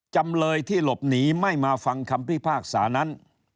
จำเลยที่หลบหนีไม่มาฟังคำพิพากษานั้น